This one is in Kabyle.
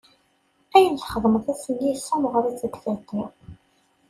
Ayen texdem ass-nni yessemɣer-itt deg tiṭ-iw.